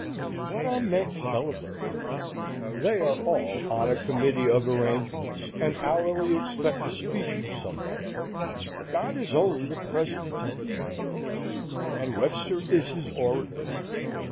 What are men celebrating? They are all on a committee of arrangements, and hourly expect a speech from somebody. God is only the president of the day, and Webster is his orator.